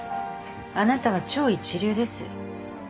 あなたは超一流です。